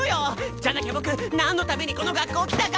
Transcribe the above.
じゃなきゃ僕なんのためにこの学校来たか！